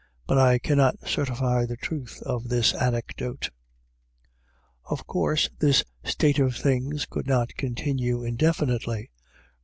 But I cannot certify the truth of this anecdote. Of course this state of things could not continue I r H2 IRISH IDYLLS. indefinitely.